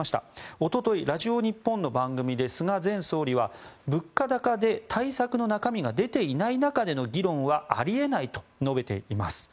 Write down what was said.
おととい、ラジオ日本の番組で菅前総理は物価高で対策の中身が出ていない中での議論はあり得ないと述べています。